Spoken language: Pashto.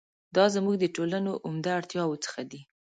دا زموږ د ټولنو عمده اړتیاوو څخه دي.